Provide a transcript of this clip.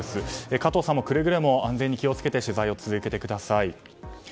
加藤さんもくれぐれも安全に気を付けて取材を続けてください。